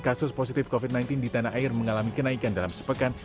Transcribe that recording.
kasus positif covid sembilan belas di tanah air mengalami kenaikan dalam sepekan